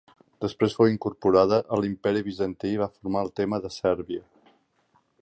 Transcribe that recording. Després fou incorporada a l'Imperi Bizantí i va formar el tema de Sèrbia.